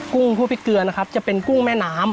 คั่วพริกเกลือนะครับจะเป็นกุ้งแม่น้ำ